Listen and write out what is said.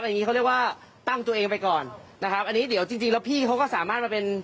อย่างงี้เขาเรียกว่าตั้งตัวเองไปก่อนนะครับอันนี้เดี๋ยวจริงจริงแล้วพี่เขาก็สามารถมาเป็น